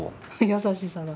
優しさが。